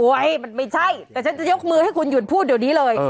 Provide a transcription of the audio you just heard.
ให้มันไม่ใช่แต่ฉันจะยกมือให้คุณหยุดพูดเดี๋ยวนี้เลย